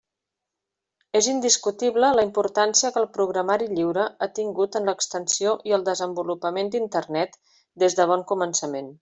És indiscutible la importància que el programari lliure ha tingut en l'extensió i el desenvolupament d'Internet des de bon començament.